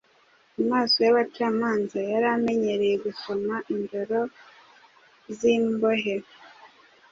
Amaso y’abacamanza yari amenyereye gusoma indoro z’imbohe,